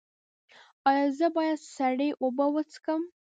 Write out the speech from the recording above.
ایا زه باید سړې اوبه وڅښم؟